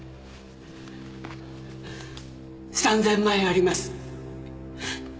３，０００ 万円あります